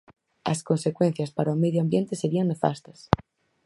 As consecuencias para o medio ambiente serían nefastas.